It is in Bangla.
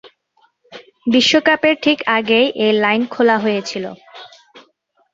বিশ্বকাপের ঠিক আগেই এই লাইন খোলা হয়েছিল।